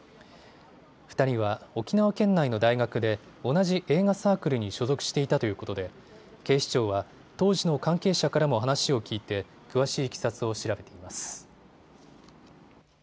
２人は沖縄県内の大学で同じ映画サークルに所属していたということで警視庁は当時の関係者からも話を聞いて詳しいいきさつを調べています。